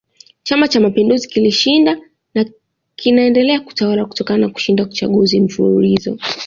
Chama Cha Mapinduzi kilishinda na kinaendelea kutawala kutokana na kushinda chaguzi mfululizo